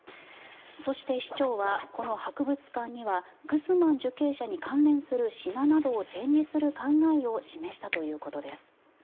そして、市長はこの博物館にはグスマン受刑者に関連する品などを展示する考えを示したということです。